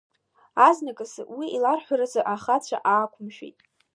Азныказ уи иларҳәарыз ахацәа аақәымшәеит.